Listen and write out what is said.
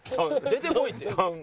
出てこいって。